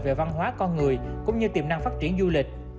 về văn hóa con người cũng như tiềm năng phát triển du lịch